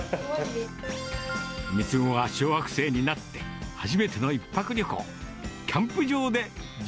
三つ子が小学生になって初めての１泊旅行。